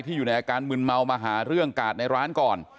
อยู่ในอาการมึนเมามาหาเรื่องกาดในร้านก่อน